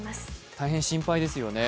大変心配ですよね。